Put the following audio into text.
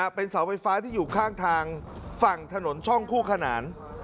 เป็นเสาไฟฟ้าที่อยู่ข้างทางฝั่งถนนช่องคู่ขนาน